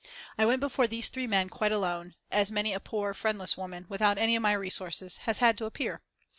I went before these three men quite alone, as many a poor, friendless woman, without any of my resources, has had to appear.